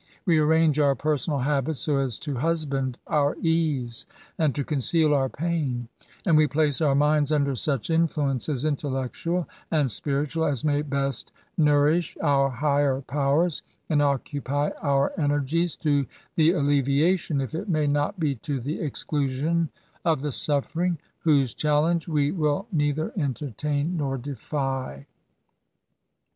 We arrange our personal habits so as to husband our ease, and to conceal our pain ; and we place our minds under such influences, intellectual and spiritual, as may best nourish our higher powers, and occupy our energies, to the alleviation, if it may not be to the exclusion, of the suffering, whose challenge we will neither entertain nor defy.